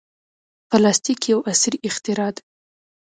پلاستيک یو عصري اختراع ده.